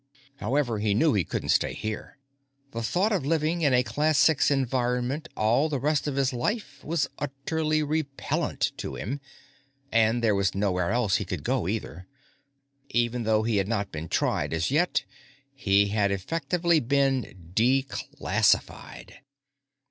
However, he knew he couldn't stay here. The thought of living in a Class Six environment all the rest of his life was utterly repellent to him. And there was nowhere else he could go, either. Even though he had not been tried as yet, he had effectively been Declassified.